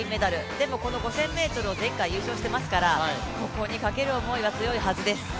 でもこの５０００ｍを前回優勝してますからここにかける思いは強いはずです。